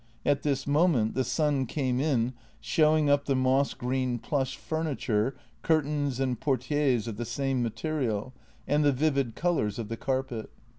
At this moment the sun came in, showing up the moss green plush furniture, curtains and portiéres of the same material, and the vivid colours of the carpet.